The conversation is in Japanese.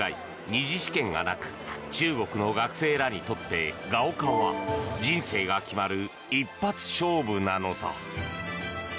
２次試験がなく中国の学生らにとってガオカオは人生が決まる一発勝負なのだ。